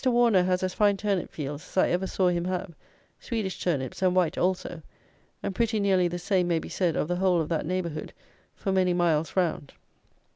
Warner has as fine turnip fields as I ever saw him have, Swedish turnips and white also; and pretty nearly the same may be said of the whole of that neighbourhood for many miles round.